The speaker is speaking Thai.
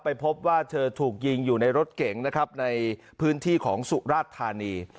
พบว่าเธอถูกยิงอยู่ในรถเก๋งนะครับในพื้นที่ของสุราชธานี